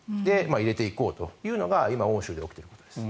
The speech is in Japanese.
入れていこうというのが今、欧州で起きています。